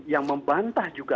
yang membantah juga